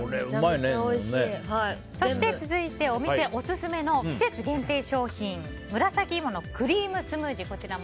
続いてお店オススメの季節限定商品紫いものクリームスムージー